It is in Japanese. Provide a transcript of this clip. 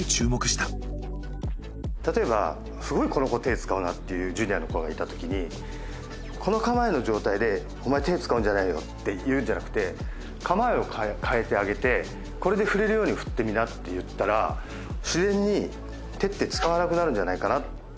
たとえばすごいこの子手使うなっていうジュニアの子がいたときにこの構えの状態でお前手使うんじゃないよって言うんじゃなくて構えを変えてあげてこれで振れるように振ってみなって言ったら自然に手って使わなくなるんじゃないかな。